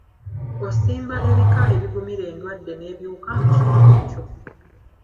Osimba ebika ebigumira endwadde n’ebiwuka mu kitundu kyo.